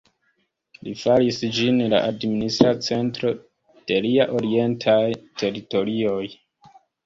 Li faris ĝin la administra centro de liaj orientaj teritorioj.